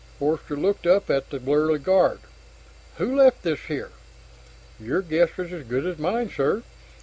Forster looked up at the burly guard. "Who left this here?" "Your guess is as good as mine, sir."